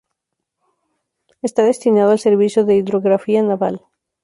Está destinado al "Servicio de Hidrografía Naval".